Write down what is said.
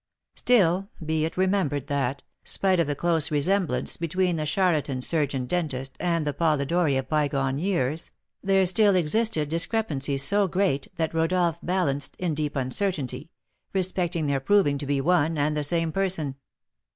Still, be it remembered that, spite of the close resemblance between the charlatan surgeon dentist and the Polidori of bygone years, there still existed discrepancies so great that Rodolph balanced, in deep uncertainty, respecting their proving to be one and the same person.